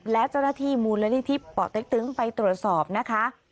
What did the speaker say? และเจ้าหน้าที่มูลนิธิป่อเต็กตึงไปตรวจสอบนะคะ